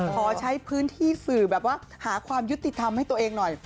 ขอใช้พื้นที่สื่อแบบว่าหาความยุติธรรมให้ตัวเองหน่อย